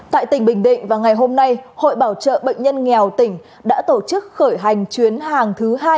tại tỉnh bình định vào ngày hôm nay hội bảo trợ bệnh nhân nghèo tỉnh đã tổ chức khởi hành chuyến hàng thứ hai